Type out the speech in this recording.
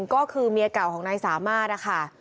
ก็คือเมียเก่าของนายสามารถนะคะ